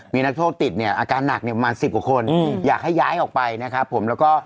มีนักโทษติดเนี่ยอาการหนักเนี่ยประมาณสิบกว่าคนอยากให้ย้ายออกไปนะครับผมแล้วก็